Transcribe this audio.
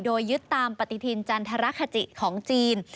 โดยยึดตามปฏิทินจันทรคจิของจีน